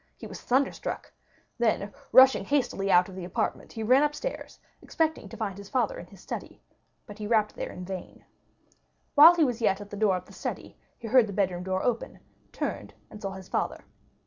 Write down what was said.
He was thunderstruck. Then, rushing hastily out of the apartment, he ran upstairs, expecting to find his father in his study, but he rapped there in vain. While he was yet at the door of the study he heard the bedroom door open, turned, and saw his father.